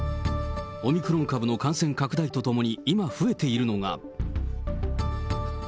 オミクロン株の感染拡大とともに今、増えているのが。